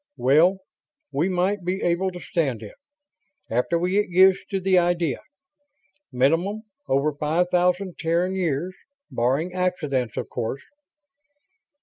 "Well, we might be able to stand it, after we got used to the idea. Minimum, over five thousand Terran years ... barring accidents, of course?"